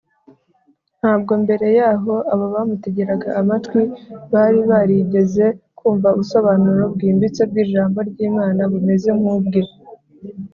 ntabwo mbere y’aho abo bamutegeraga amatwi bari barigeze kumva ubusobanuro bwimbitse bw’ijambo ry’imana bumeze nk’ubwe